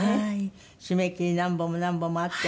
締め切り何本も何本もあってね。